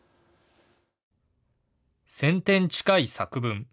１０００点近い作文。